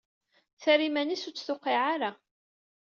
Terra iman-is ur tt-tewqiɛ ara.